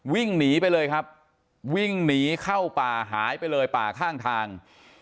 วิ่งหนีไปเลยครับวิ่งหนีเข้าป่าหายไปเลยป่าข้างทาง